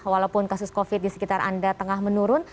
walaupun kasus covid di sekitar anda tengah menurun